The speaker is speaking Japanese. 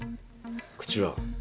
口は？